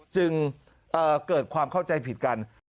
จึงเกิดความเข้าใจผิดกัน